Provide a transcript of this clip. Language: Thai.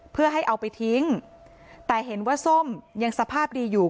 เพื่อให้เอาไปทิ้งแต่เห็นว่าส้มยังสภาพดีอยู่